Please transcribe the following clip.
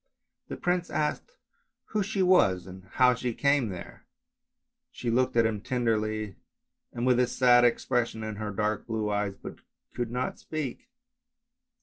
The prince asked who she was and how she came there, she looked at him tenderly and with a sad ex pression in her dark blue eyes, but could not speak.